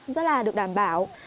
rất là được đảm bảo